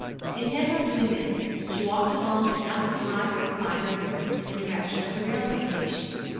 Intent on doing this, she walked along the dusty high road by the river, in the direction of the railway station.